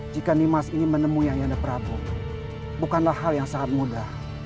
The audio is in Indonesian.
jika nimas ingin menemui ayah anda prabu bukanlah hal yang sangat mudah